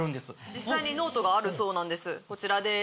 実際にノートがあるそうなんですこちらです。